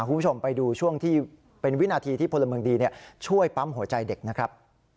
คุณผู้ชมไปดูช่วงที่เป็นวินาทีที่พลเมืองดีช่วยปั๊มหัวใจเด็กนะครับ